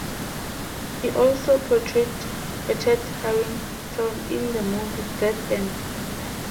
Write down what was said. He also portrayed Richard Harrington in the movie "Dead End".